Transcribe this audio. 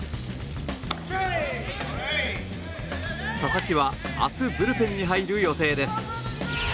佐々木は明日、ブルペンに入る予定です。